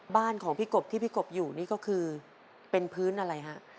บ้านของพี่กบที่พี่กบอยู่นี่ก็คือเป็นพื้นอะไรฮะ